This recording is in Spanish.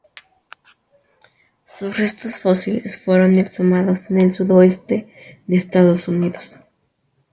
Sus restos fósiles fueron exhumados en el sudeste de Estados Unidos.